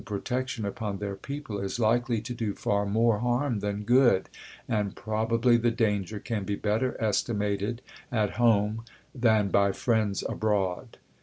protection upon their people is likely to do far more harm than good, and probably the danger can be better estimated at home, than by friends abroad."